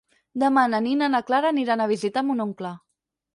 Demà na Nina i na Clara aniran a visitar mon oncle.